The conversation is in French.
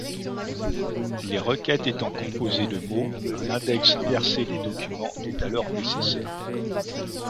Les requêtes étant composées de mots, un index inversé des documents est alors nécessaire.